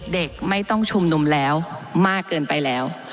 เด็กไม่ต้องชุมนุมแล้วมากเกินไปแล้ว